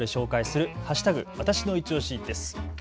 わたしのいちオシです。